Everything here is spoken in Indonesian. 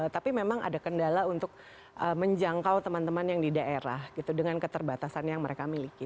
tapi memang ada kendala untuk menjangkau teman teman yang di daerah gitu dengan keterbatasan yang mereka miliki